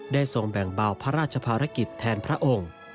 ทรงแบ่งเบาพระราชภารกิจแทนพระองค์